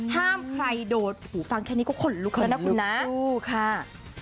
ห้ามใครโดดหูฟังแค่นี้ก็ขนลึกต์คุณนา